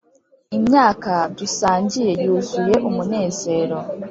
imyaka dusangiye yuzuye umunezero.